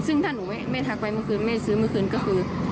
ซึ่งถ้าหนูไม่ทักไว้เมื่อคืนแม่ซื้อเมื่อคืนก็คือ